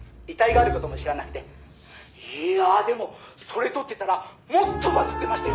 「いやあでもそれ撮ってたらもっとバズってましたよね！」